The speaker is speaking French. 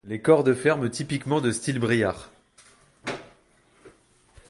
Les corps de fermes typiquement de style briard.